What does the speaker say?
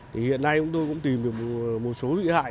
thì hiện nay chúng tôi cũng tìm được một số bị hại